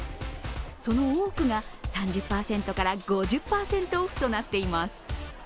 その多くが３０％から５０％オフとなっています。